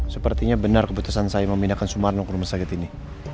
sepertinya benar keputusan saya memindahkan sumarno ke rumah sakit ini